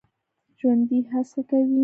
ژوندي هڅه کوي